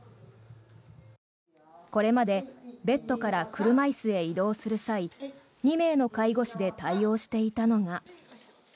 これまでベッドから車椅子へ移動する際２名の介護士で対応していたのが。